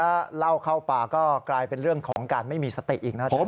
ถ้าเล่าเข้าปากก็กลายเป็นเรื่องของการไม่มีสติอีกนะครับ